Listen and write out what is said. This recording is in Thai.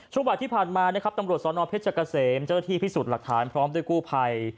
ช่วงบัตรที่ผ่านมาตำรวจซ้อนอนเพชรกเซมจัดที่พิสูจน์หลักฐานพร้อมด้วยกู้ภัย